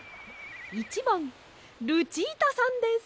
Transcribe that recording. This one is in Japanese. １ばんルチータさんです。